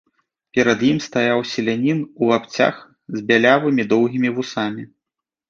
Перад ім стаяў селянін у лапцях, з бялявымі доўгімі вусамі.